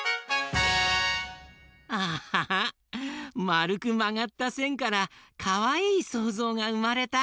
まるくまがったせんからかわいいそうぞうがうまれた！